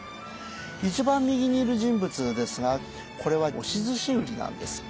一番右にいる人物ですがこれは押し寿司売りなんです。